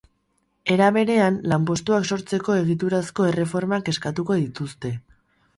Era berean, lanpostuak sortzeko egiturazko erreformak eskatuko dituzte.